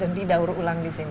dan didaur ulang di sini